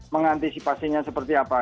mengantisipasinya seperti apa